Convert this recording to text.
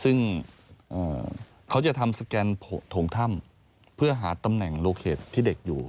ซึ่งเขาจะทำสแกนโถงถ้ำเพื่อหาตำแหน่งโลเคสที่เด็กอยู่